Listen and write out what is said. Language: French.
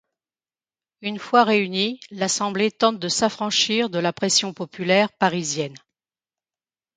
Une fois réunie, l'Assemblée tente de s'affranchir de la pression populaire parisienne.